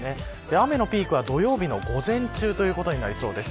雨のピークは土曜日の午前中ということになりそうです。